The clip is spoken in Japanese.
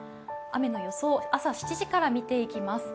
雨の予想、朝７時から見ていきます。